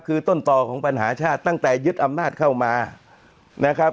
คือต้นต่อของปัญหาชาติตั้งแต่ยึดอำนาจเข้ามานะครับ